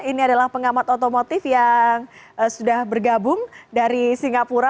ini adalah pengamat otomotif yang sudah bergabung dari singapura